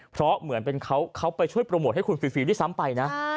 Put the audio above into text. เพราะเหมือนเป็นเขาไปช่วยโปรโมทให้คุณฟรีด้วยซ้ำไปนะ